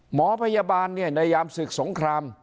หมอพยาบาลในยามศึกสงคราม